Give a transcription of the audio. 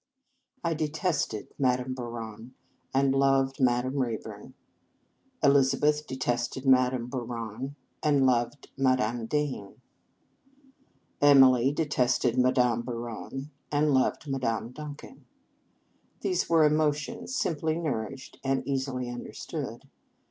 I detested Madame Bouron, and loved Madame Rayburn. Elizabeth de tested Madame Bouron, and loved Madame Dane. Emily detested Ma dame Bouron, and loved Madame Duncan. These were emotions, amply nourished, and easily understood.